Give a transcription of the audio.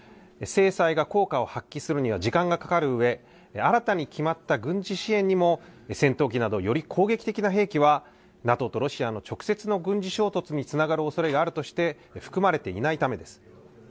制裁が効果を発揮するには時間がかかるうえ、新たに決まった軍事支援にも、戦闘機など、より攻撃的な兵器は、ＮＡＴＯとロシアの直接の軍事衝突につながるおそれがあるとして、含まれていないためです。